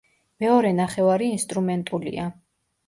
მეორე ნახევარი ინსტრუმენტულია.